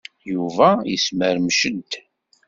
Yuba yesmeṛmec-d.